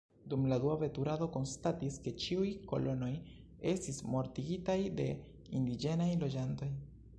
Dum la dua veturado konstatis ke ĉiuj kolonoj estis mortigitaj de indiĝenaj loĝantoj.